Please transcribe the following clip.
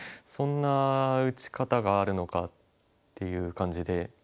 そんな打ち方があるのかっていう感じで。